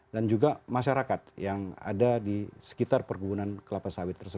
juga masyarakat yang ada di sekitar perkebunan kelapa sawit